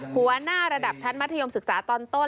หัวหน้าระดับชั้นมัธยมศึกษาตอนต้น